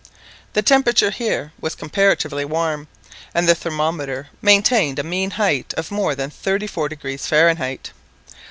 The temperature here was comparatively warm, and the thermometer maintained a mean height of more than 34° Fahrenheit.